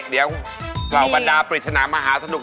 เดี๋ยวกล่าวกันดาปริศนามหาสนุก